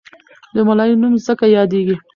د ملالۍ نوم ځکه یاديږي.